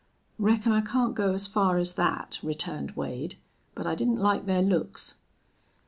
"Reckon I can't go as far as that," returned Wade. "But I didn't like their looks."